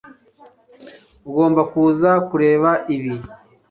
Ugomba kuza kureba ibi